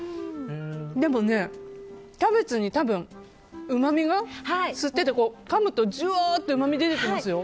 でもね、キャベツに多分うまみが吸っててかむとジュワッとうまみが出てきますよ。